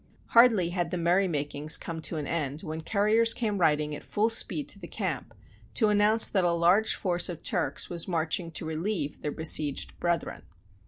Hardly had the merry makings come to an end when couriers came riding at full speed to the camp to announce that a large force of Turks was march ing to relieve their besieged brethren.